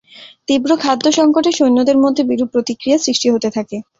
তীব্র খাদ্য-সংকটে সৈন্যদের মধ্যে বিরূপ প্রতিক্রিয়া সৃষ্টি হতে থাকে।